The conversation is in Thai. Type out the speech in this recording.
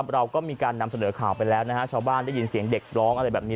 เราก็มีการนำเสนอข่าวไปแล้วนะฮะชาวบ้านได้ยินเสียงเด็กร้องอะไรแบบนี้